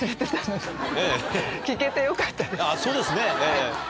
そうですね。